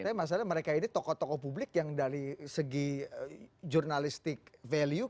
tapi masalahnya mereka ini tokoh tokoh publik yang dari segi jurnalistik value